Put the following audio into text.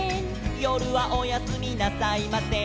「よるはおやすみなさいません」